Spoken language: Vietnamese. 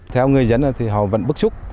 theo người dân thì họ vẫn bức xúc